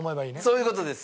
そういう事です。